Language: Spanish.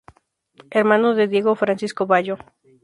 Hermano de Diego Francisco Bayo.